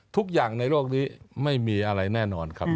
ทุกอย่างในโลกนี้ไม่มีอะไรแน่นอนครับ